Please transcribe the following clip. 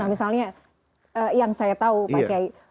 misalnya yang saya tahu pakai